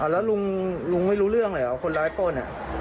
แล้วลุงไม่รู้เรื่องเลยเหรอคนร้ายป้น